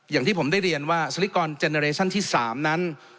อย่างที่ผมได้เรียนว่าสลิกรเจนอเรชั่นที่๓นั้น